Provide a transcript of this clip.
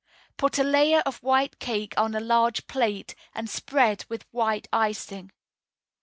Put a layer of white cake on a large plate, and spread with white icing.